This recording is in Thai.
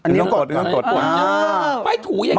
มีถูอย่างไง